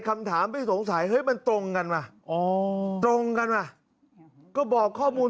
คำถามที่สงสัยเฮ้ยมันตรงกันว่ะตรงกันว่ะก็บอกข้อมูล